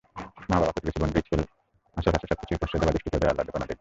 মা-বাবা, প্রতিবেশী, বন্ধু, স্কুল, আশপাশের সবকিছুই প্রশ্রয় দেওয়া দৃষ্টিতে ওদের আহ্লাদেপনা দেখবে।